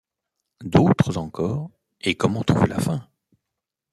D’autres encore, et comment trouver la fin?